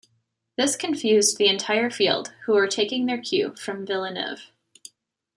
This confused the entire field, who were taking their cue from Villeneuve.